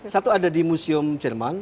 satu ada di museum jerman